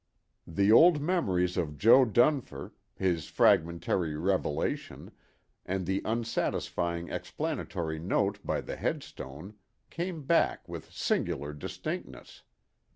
The old memories of Jo. Dunfer, his fragmentary revelation, and the unsatisfying explanatory note by the headstone, came back with singular distinctness.